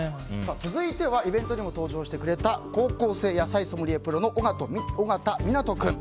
続いてはイベントにも登場してくれた高校生野菜ソムリエプロの緒方湊君。